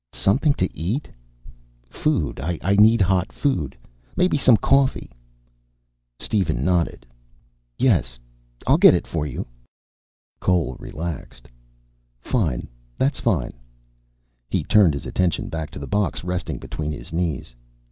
"Something to eat?" "Food. I need hot food. Maybe some coffee." Steven nodded. "Yes. I'll get it for you." Cole relaxed. "Fine. That's fine." He turned his attention back to the box resting between his knees.